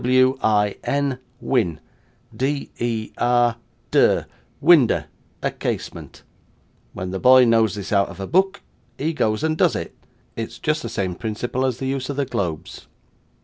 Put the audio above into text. W i n, win, d e r, der, winder, a casement. When the boy knows this out of book, he goes and does it. It's just the same principle as the use of the globes.